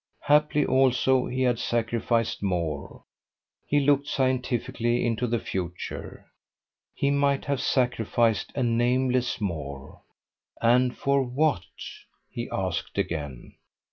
Haply also he had sacrificed more: he looked scientifically into the future: he might have sacrificed a nameless more. And for what? he asked again.